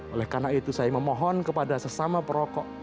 oleh karena itu saya memohon kepada sesama perokok